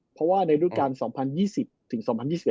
เพราะว่าในรูปการ๒๐๒๐ถึง๒๐๒๑